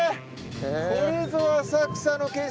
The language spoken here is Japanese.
これぞ浅草の景色！